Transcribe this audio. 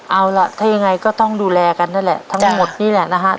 เอาล่ะถ้ายังไงก็ต้องดูแลกันนั่นแหละทั้งหมดนี่แหละนะฮะ